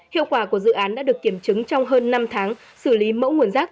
hiệu quả của dự án đã được kiểm chứng trong hơn năm tháng xử lý mẫu nguồn rác